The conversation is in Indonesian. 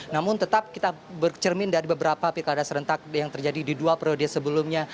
namun tetap kita bercermin dari beberapa pilkada serentak yang terjadi di dua periode sebelumnya